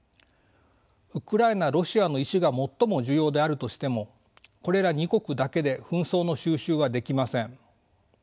ウクライナロシアの意思が最も重要であるとしてもこれら２国だけで紛争の収拾はできません。